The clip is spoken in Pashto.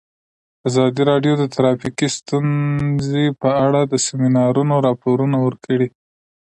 ازادي راډیو د ټرافیکي ستونزې په اړه د سیمینارونو راپورونه ورکړي.